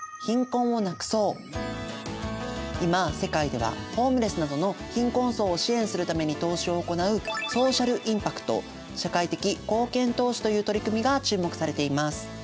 今世界ではホームレスなどの貧困層を支援するために投資を行うソーシャル・インパクト社会的貢献投資という取り組みが注目されています。